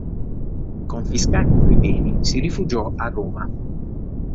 Confiscati i suoi beni si rifugiò a Roma.